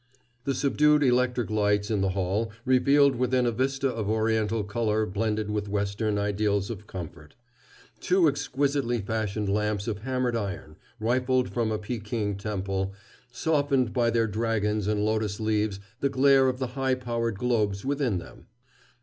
The subdued electric lights in the hall revealed within a vista of Oriental color blended with Western ideals of comfort. Two exquisitely fashioned lamps of hammered iron, rifled from a Pekin temple, softened by their dragons and lotus leaves the glare of the high powered globes within them.